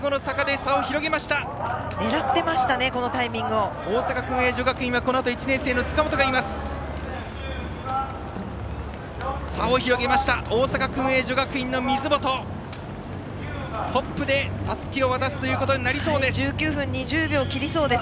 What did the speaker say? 差を広げました大阪薫英女学院の水本がトップでたすきを渡すことになりそうです。